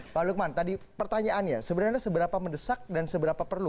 pak lukman tadi pertanyaannya sebenarnya seberapa mendesak dan seberapa perlu